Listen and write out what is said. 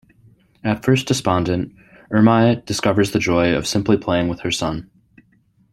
At first despondent, Ermei discovers the joy of simply playing with her son.